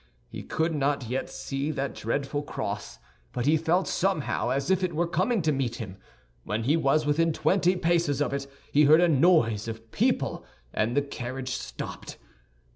He could not yet see that dreadful cross, but he felt somehow as if it were coming to meet him. When he was within twenty paces of it, he heard a noise of people and the carriage stopped.